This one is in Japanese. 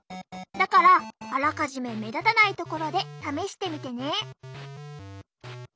だからあらかじめ目立たないところで試してみてね。